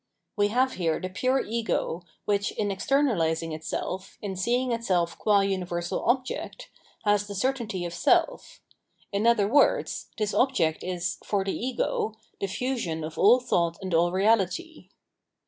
We have here the pure ego, which, in externalising itseK, in seeing itself qua universal object, has the certainty of self ; in other words, this object is, for the ego, the fusion of aU thought and all reality.